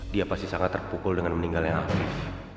dia pasti sangat terpukul dengan meninggalnya afif